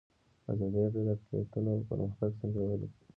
ازادي راډیو د اقلیتونه پرمختګ سنجولی.